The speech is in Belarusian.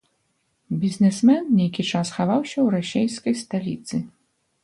Бізнесмен нейкі час хаваўся ў расійскай сталіцы.